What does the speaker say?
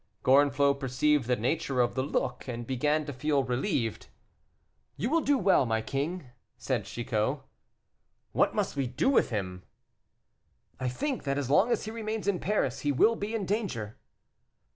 Gorenflot perceived the nature of the look, and began to feel relieved. "You will do well, my king," said Chicot. "What must we do with him?" "I think that as long as he remains in Paris he will be in danger."